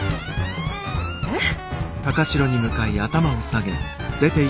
えっ？